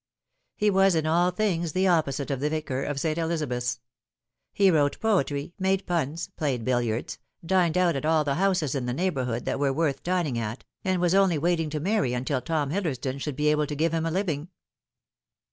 He was in all things the opposite of the Vicar of St. Eliza beth's. He wrote poetry, made puns, played billiards, dined out at all the houses in the neighbourhood that were worth dining at, and was only waiting to marry until Tom Hillersdon should be able to give him a living.